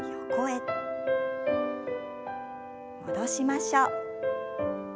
戻しましょう。